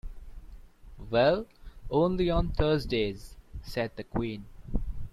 ‘Well, only on Thursdays,’ said the Queen.